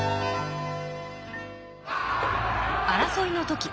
争いの時